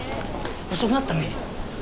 遅くなったね。